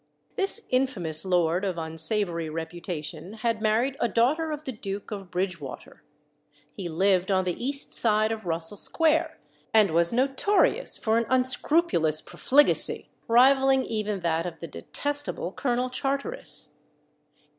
This infamous lord, of unsavoury reputation, had married a daughter of the Duke of Bridgewater: he lived on the east side of Russell Square, and was notorious for an unscrupulous profligacy, rivalling even that of the detestable Colonel Charteris.